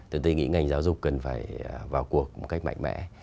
thì tôi nghĩ ngành giáo dục cần phải vào cuộc một cách mạnh mẽ